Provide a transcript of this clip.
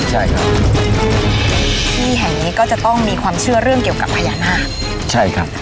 ใช่ครับที่แห่งนี้ก็จะต้องมีความเชื่อเรื่องเกี่ยวกับพญานาคใช่ครับ